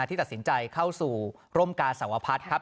ที่ตัดสินใจเข้าสู่ร่มกาสวพัฒน์ครับ